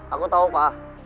aku tahu pak